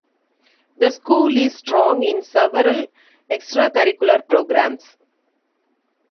The school is strong in several extracurricular programs.